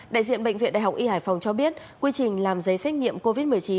đại diện bệnh viện đại học y hải phòng cho biết quy trình làm giấy xét nghiệm covid một mươi chín